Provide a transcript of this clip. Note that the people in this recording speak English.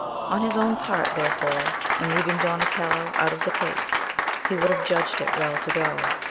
On his own part, therefore, and leaving Donatello out of the case, he would have judged it well to go.